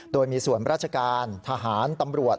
โดยมีส่วนราชการทหารตำรวจ